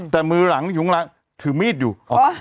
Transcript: แต่มือหลังหยุงหลังถือมีดอยู่อ๋อ